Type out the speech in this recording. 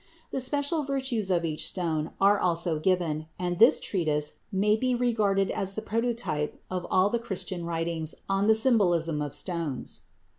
The special virtues of each stone are also given, and this treatise may be regarded as the prototype of all the Christian writings on the symbolism of stones.